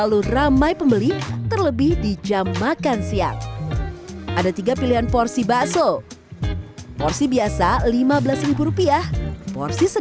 juga mampu singkat tengah wsbsf